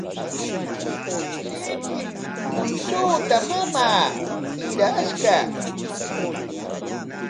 Shipshin punchuuta mamaa hirashqa.